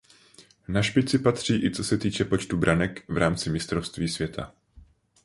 Na špici patří i co se týče počtu branek v rámci Mistrovství světa.